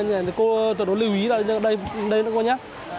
cô tuyệt đối lưu ý đây nữa cô nhé